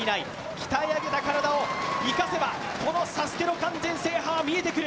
鍛え上げた体を生かせばＳＡＳＵＫＥの完全制覇は見えてくる。